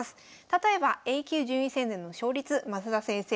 例えばＡ級順位戦での勝率升田先生